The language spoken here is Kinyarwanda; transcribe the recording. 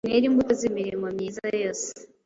mwere imbuto z’imirimo myiza yose